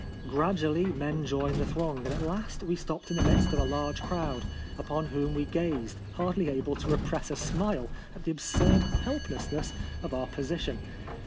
Gradually men joined the throng ; and at last we stopped in the midst of a large crowd, upon whom we gazed, hardly able to repress a smile at the absurd helplessness of our position.